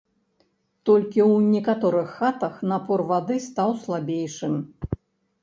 Толькі ў некаторых хатах напор вады стаў слабейшым.